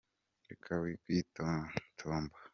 Reka kwitotomba.